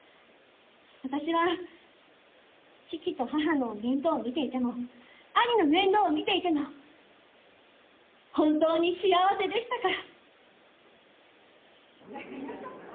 私は父と母の面倒を見ていても兄の面倒を見ていても本当に幸せでしたから。